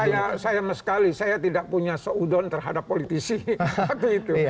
oh iya saya meskali saya tidak punya seudon terhadap politisi waktu itu